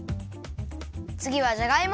つぎはじゃがいも。